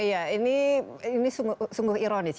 iya ini sungguh ironis